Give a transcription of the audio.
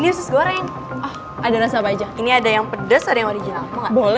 dia accuracy bedang langsungan ada di ambiar deh rencana gue